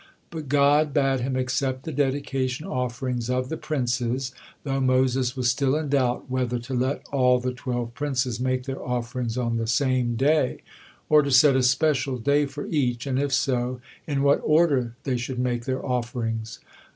But God bade him accept the dedication offerings of the princes, though Moses was still in doubt whether to let all the twelve princes make their offerings on the same day, or to set a special day for each, and if so, in what order they should make their offerings.